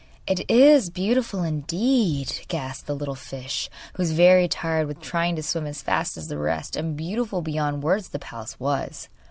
'It is beautiful indeed,' gasped the little fish, who was very tired with trying to swim as fast as the rest, and beautiful beyond words the palace was.